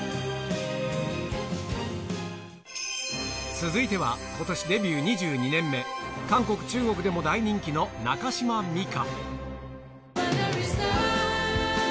続いては、ことしデビュー２２年目、韓国、中国でも大人気の中島美嘉。